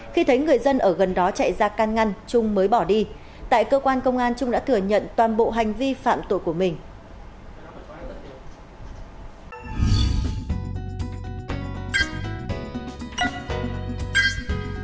khi thấy người dân ở gần đó chạy ra can ngăn trung mới bỏ đi tại cơ quan công an trung đã thừa nhận toàn bộ hành vi phạm tội của mình